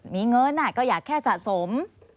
มีเงินก็อยากแค่สะสม